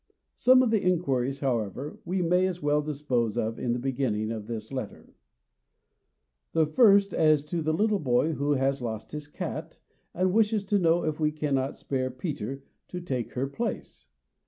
Some of the inquiries, however, we may as well dispose of in the beginning of this letter. And first as to the little boy who has lost his cat, and wishes to know if we cannot spare Peter to take her place.